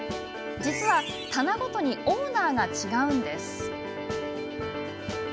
実は、棚ごとにオーナーが違うんです。